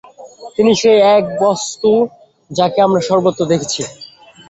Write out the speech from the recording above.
তিনিই সেই এক বস্তু, যাঁকে আমরা সর্বত্র দেখছি।